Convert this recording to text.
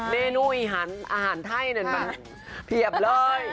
เมนูอาหารไทยมันเพียบเลย